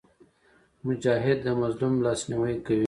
مجاهد د مظلوم لاسنیوی کوي.